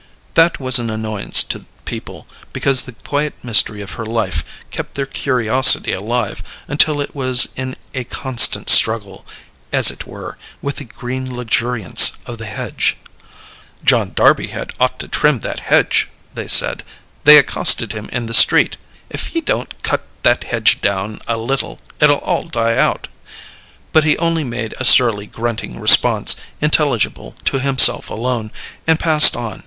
That was an annoyance to people, because the quiet mystery of her life kept their curiosity alive, until it was in a constant struggle, as it were, with the green luxuriance of the hedge. "John Darby had ought to trim that hedge," they said. They accosted him in the street: "John, if ye don't cut that hedge down a little it'll all die out." But he only made a surly grunting response, intelligible to himself alone, and passed on.